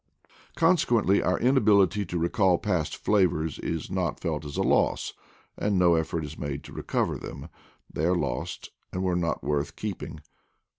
Consequently our inability to recall past flavors is not felt as a loss, and no ef fort is made to recover them; they are lost and were not worth keeping.